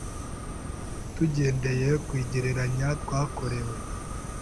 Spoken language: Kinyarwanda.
Tugendeye ku igereranya twakorewe